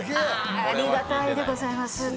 ありがたいでございます。